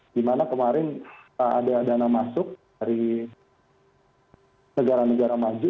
dimana kemarin ada dana masuk dari negara negara maju